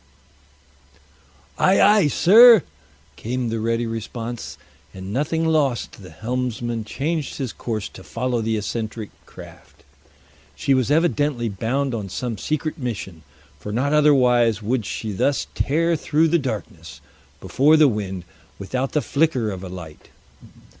"Ay, ay, sir!" came the ready response, and nothing loth the helmsman changed his course to follow the eccentric craft. She was evidently bound on some secret mission, for not otherwise would she thus tear through the darkness before the wind without the flicker of a light.